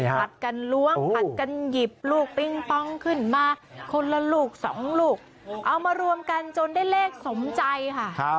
ผัดกันล้วงผัดกันหยิบลูกปิงปองขึ้นมาคนละลูกสองลูกเอามารวมกันจนได้เลขสมใจค่ะ